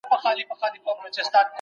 دود وساته.